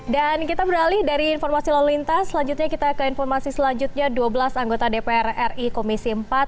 dan kita beralih dari informasi lalu lintas selanjutnya kita ke informasi selanjutnya dua belas anggota dpr ri komisi empat